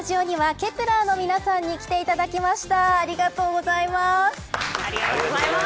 あらためてスタジオにはＫｅｐ１ｅｒの皆さんに来ていただきました。